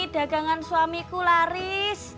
dagangan suamiku laris